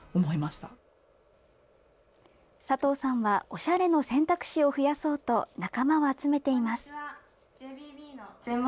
おしゃれの選択肢を増やそうと、仲間を集めています。